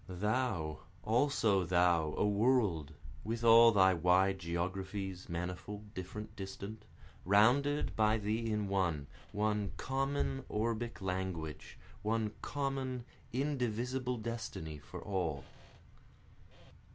Thou, also thou, a World, With all thy wide geographies, manifold, different, distant, Rounded by thee in one one common orbic language, One common indivisible destiny for All.